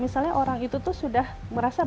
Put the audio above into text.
misalnya orang itu tuh sudah merasa